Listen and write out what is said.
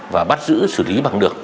và bắt giữ xử lý bằng được